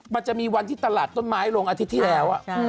มันจะมีวันที่ตลาดต้นไม้ลงอาทิตย์ที่แล้ว